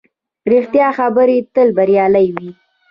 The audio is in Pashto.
ریښتیا خبرې تل بریالۍ وي